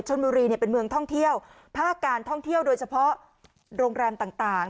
ชนบุรีเนี่ยเป็นเมืองท่องเที่ยวภาคการท่องเที่ยวโดยเฉพาะโรงแรมต่างต่าง